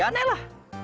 ya aneh lah